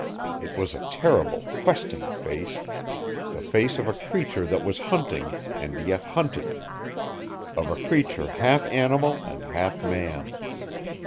It was a terrible, questing face the face of a creature that was hunting, and yet hunted; of a creature half animal and half man.